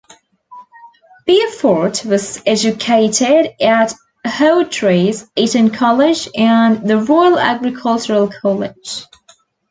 Beaufort was educated at Hawtreys, Eton College, and the Royal Agricultural College.